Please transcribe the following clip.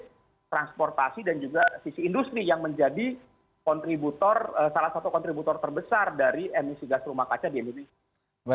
jadi transportasi dan juga sisi industri yang menjadi kontributor salah satu kontributor terbesar dari emisi gas rumah kaca di indonesia